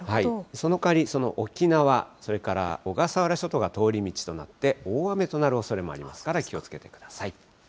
その代わり、沖縄、それから小笠原諸島が通り道となって、大雨となるおそれもありますから気をつけてください。